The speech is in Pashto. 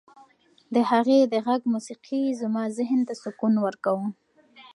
د هغې د غږ موسیقي زما ذهن ته سکون ورکاوه.